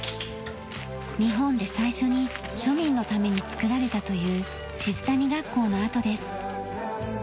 日本で最初に庶民のために造られたという閑谷学校の跡です。